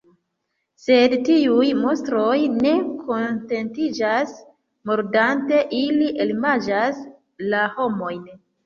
Sed tiuj monstroj ne kontentiĝas mordante, ili elmanĝas la homojn!